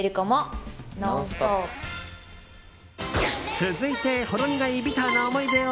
続いて、ほろ苦いビターな思い出を